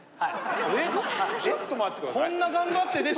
ちょっと待って下さい。